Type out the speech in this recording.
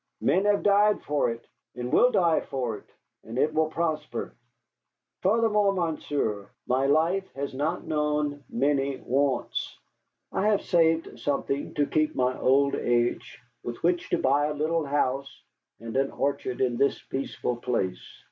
"Men have died for it, and will die for it, and it will prosper. Furthermore, Monsieur, my life has not known many wants. I have saved something to keep my old age, with which to buy a little house and an orchard in this peaceful place.